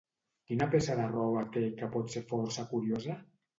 Quina peça de roba té que pot ser força curiosa?